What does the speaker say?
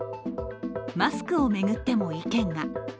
マスクを巡っても意見が。